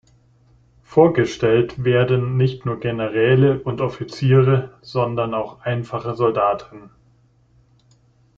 Vorgestellt werden nicht nur Generäle und Offiziere, sondern auch einfache Soldaten.